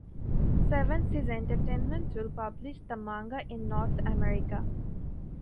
Seven Seas Entertainment will publish the manga in North America.